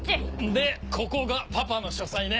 でここがパパの書斎ね。